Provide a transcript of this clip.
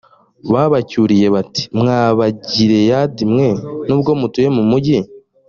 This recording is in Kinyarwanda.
babacyuriye bati mwa bagileyadi mwe nubwo mutuye mumugi